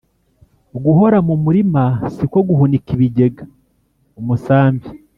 Guhora mu murima si ko guhunika ibigega-Umusambi.